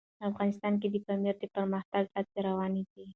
افغانستان کې د پامیر د پرمختګ هڅې روانې دي.